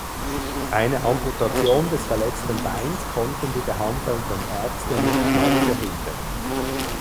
Eine Amputation des verletzten Beins konnten die behandelnden Ärzte nur knapp verhindern.